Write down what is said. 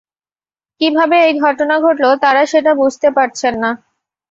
কীভাবে এই ঘটনা ঘটল তারা সেটা বুঝতে পারছেন না।